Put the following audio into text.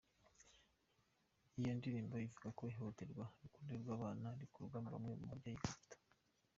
Iyo ndirimbo ivuga ku ihohoterwa rikorerwa abana, rikorwa na bamwe mu babyeyi gito.